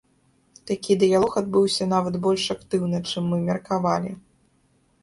Такі дыялог адбыўся, нават больш актыўна, чым мы меркавалі.